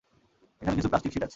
এখানে কিছু plastic sheet আছে!